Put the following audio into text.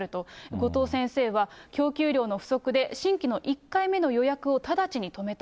後藤先生は、供給量の不足で、新規の１回目の予約を直ちに止めた。